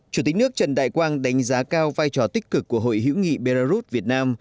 chủ tịch nước trần đại quang đánh giá cao vai trò tích cực của hội hữu nghị belarus việt nam